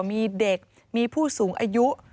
มีเด็กมีผู้สูงอายุ